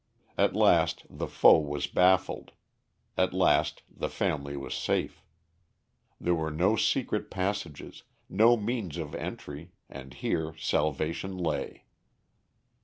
At last the foe was baffled; at last the family was safe. There were no secret passages, no means of entry; and here salvation lay.